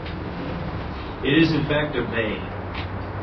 It is in fact a'bay'.